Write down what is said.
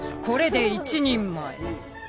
これで１人前。